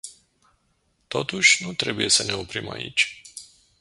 Totuși, nu trebuie să ne oprim aici.